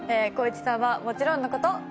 光一さんはもちろんのこと。